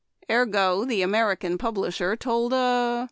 Ergo, the American publisher told a —